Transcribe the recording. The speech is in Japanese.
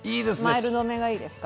マイルドめがいいですか？